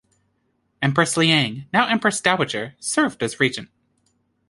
Empress Liang, now empress dowager, served as regent.